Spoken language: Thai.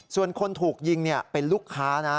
ส่วนคนถูกยิงเป็นลูกค้านะ